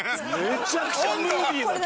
めちゃくちゃムーディーな曲。